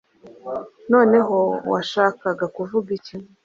Noneho, washakaga kuvuga iki?